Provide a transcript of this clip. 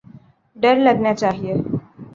ڈر لگنا چاہیے۔